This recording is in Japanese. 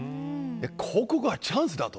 ここがチャンスだと。